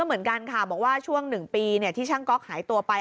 เหมือนกันค่ะบอกว่าช่วง๑ปีที่ช่างก๊อกหายตัวไป